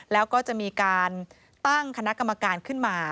แล้วก็จะมีการตั้งคณะกรรมการขึ้นมา